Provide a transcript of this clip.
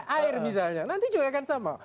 air misalnya nanti juga akan sama